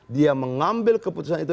dia mengambil keputusan itu